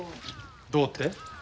どうって？